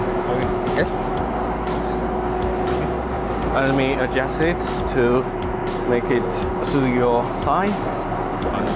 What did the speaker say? saya akan mengaturnya agar menurut ukuran anda